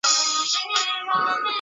闽安协台衙门的历史年代为清。